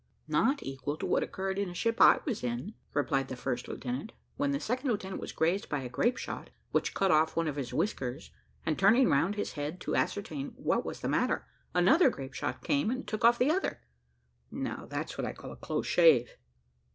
"Not equal to what occurred in a ship I was in," replied the first lieutenant, "when the second lieutenant was grazed by a grape shot, which cut off one of his whiskers, and turning round his head to ascertain what was the matter, another grape shot came and took off the other. Now that's what I call a close shave."